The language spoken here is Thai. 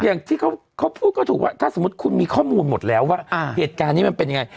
อย่างที่เขาพูดก็ถูกว่าถ้าสมมุติคุณมีข้อมูลหมดแล้วว่าเหตุการณ์นี้มันเป็นยังไง